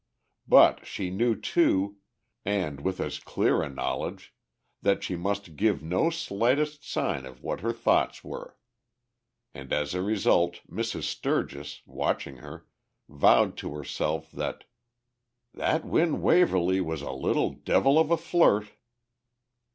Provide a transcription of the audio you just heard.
But she knew, too, and with as clear a knowledge, that she must give no slightest sign of what her thoughts were. And as a result Mrs. Sturgis, watching her, vowed to herself that "that Win Waverly was a little devil of a flirt!"